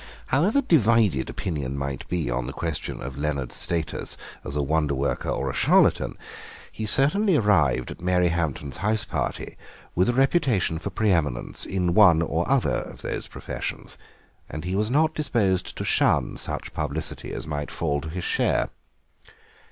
However divided opinion might be on the question of Leonard's status as a wonderworker or a charlatan, he certainly arrived at Mary Hampton's house party with a reputation for pre eminence in one or other of those professions, and he was not disposed to shun such publicity as might fall to his share.